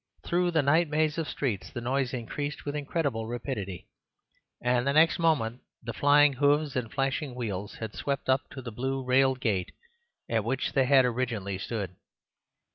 Through the night maze of streets the noise increased with incredible rapidity, and the next moment the flying hoofs and flashing wheels had swept up to the blue railed gate at which they had originally stood.